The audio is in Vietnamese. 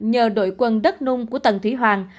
nhờ đội quân đất nung của tầng thủy hoàng